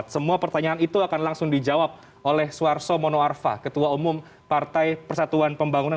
semua pertanyaan itu akan langsung dijawab oleh suarso monoarfa ketua umum partai persatuan pembangunan